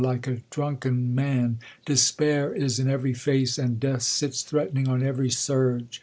7^ like a drunken man.'* Despair is in every face, and death sits threatening on every surge.